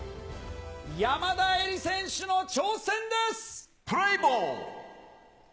山田恵里選手の挑戦です。